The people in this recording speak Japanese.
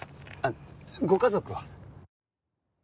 あっご家族は？